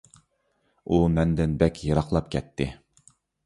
ئۇ مەندىن بەك يىراقلاپ كەتتى.